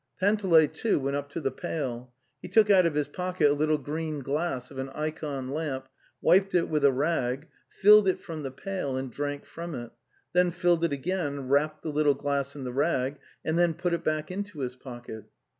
Panteley, too, went up to the pail. He took out of his pocket a little green glass of an ikon lamp, wiped it with a rag, filled it from the pail and drank from it, then filled it again, wrapped the little glass in the rag, and then put it back into his pocket.